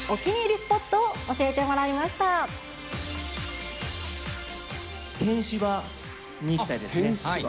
スポットを教えてもらいてんしばに行きたいですね。